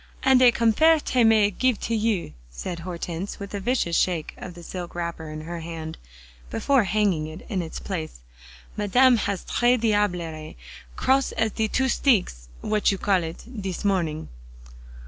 "And a comfairte may it gif to you," said Hortense, with a vicious shake of the silk wrapper in her hand, before hanging it in its place. "Madame has the tres diablerie, cross as de two steeks, what you call it, dis morning."